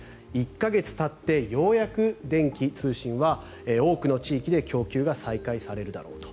１か月たってようやく電気、通信は多くの地域で供給が再開されるだろうと。